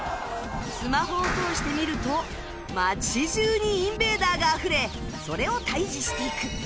スマホを通して見ると街中にインベーダーがあふれそれを退治していく